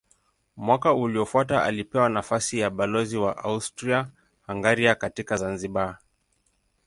Mwaka uliofuata alipewa nafasi ya balozi wa Austria-Hungaria katika Zanzibar.